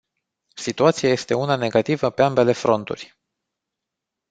Situația este una negativă pe ambele fronturi.